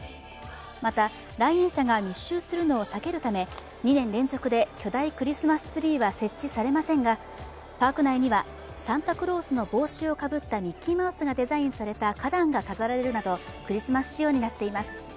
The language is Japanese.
また、来園者が密集するのを避けるため、２年連続で巨大クリスマスツリーは設置されませんがパーク内にはサンタクロースの帽子をかぶったミッキーマウスがデザインされた花壇が飾られるなど、クリスマス仕様になっています。